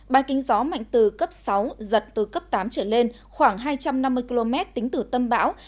ba kính gió mạnh từ cấp sáu giật từ cấp tám trở lên khoảng hai trăm năm mươi km tính từ tâm bão